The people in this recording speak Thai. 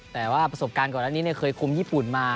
แต่ว่าประสบการณ์ก่อนอันนี้เคยคุมญี่ปุ่นมา